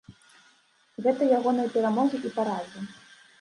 Гэта ягоныя перамогі і паразы.